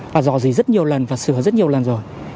và dò dỉ rất nhiều lần và sửa rất nhiều lần rồi